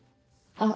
あっ。